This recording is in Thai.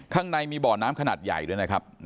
ข้างในมีบ่อน้ำขนาดใหญ่ด้วยนะครับ